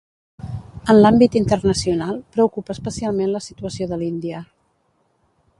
En l’àmbit internacional, preocupa especialment la situació de l’Índia.